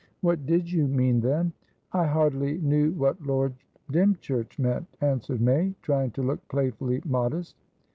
"What did you mean, then?" "I hardly knew what Lord Dymchurch meant," answered May, trying to look playfully modest.